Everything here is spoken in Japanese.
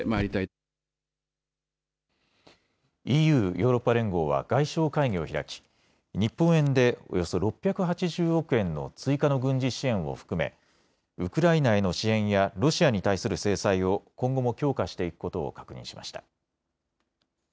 ＥＵ・ヨーロッパ連合は外相会議を開き日本円でおよそ６８０億円の追加の軍事支援を含めウクライナへの支援やロシアに対する制裁を今後も強化していくことを確認しました。